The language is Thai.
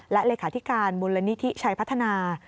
และเลขาธิการมูลนิธิชัยพัฒนา